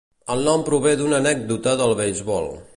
El nom prové d’una anècdota del beisbol.